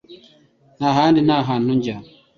Nta handi hantu njya